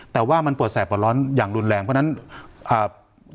แต่ว่ามันปวดแสบปวดร้อนอย่างรุนแรงเพราะฉะนั้นอ่า